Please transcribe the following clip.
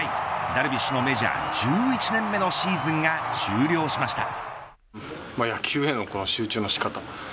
ダルビッシュのメジャー１１年目のシーズンが終了しました。